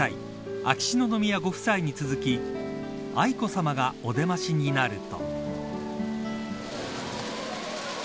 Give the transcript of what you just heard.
秋篠宮ご夫妻に続き愛子さまが、お出ましになると。